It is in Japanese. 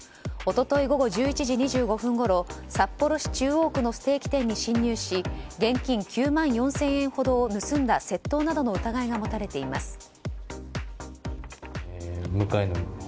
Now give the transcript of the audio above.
一昨日午後１１時２５分ごろ札幌市中央区のステーキ店に侵入し現金９万４０００円ほどを盗んだ窃盗などの疑いが持たれています。